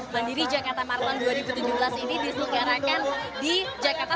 bandiri jakarta marathon dua ribu tujuh belas ini diselukarakan di jakarta